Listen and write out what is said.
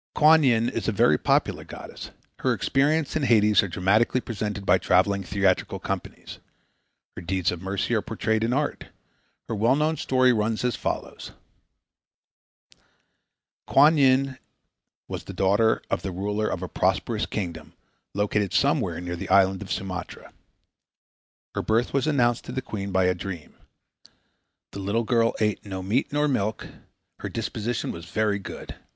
Kuan Yin is a very popular goddess. Her experiences in Hades are dramatically presented by traveling theatrical companies. Her deeds of mercy are portrayed in art. Her well known story runs as follows: Kuan Yin was the daughter of the ruler of a prosperous kingdom located somewhere near the island of Sumatra. Her birth was announced to the queen by a dream. The little girl ate no meat nor milk. Her disposition was very good.